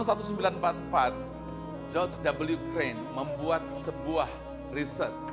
george w crane membuat sebuah riset